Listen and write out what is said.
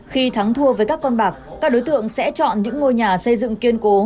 khi thắng thua với các con bạc các đối tượng sẽ chọn những ngôi nhà xây dựng kiên cố